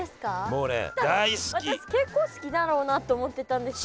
もうね私結構好きだろうなって思ってたんですけど。